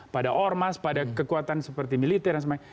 pada ormas pada kekuatan seperti militer dan sebagainya